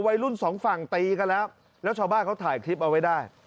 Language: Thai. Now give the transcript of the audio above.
วัยรุ่นสองฝั่งตีกันแล้วแล้วชาวบ้านเขาถ่ายคลิปเอาไว้ได้